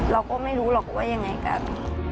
เราก็ไม่รู้หรอกว่ายังไงกัน